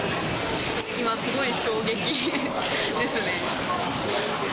今すごい衝撃ですね。